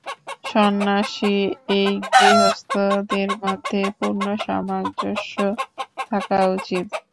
সন্ন্যাসী ও গৃহস্থদের মধ্যে পূর্ণ সামঞ্জস্য থাকা উচিত।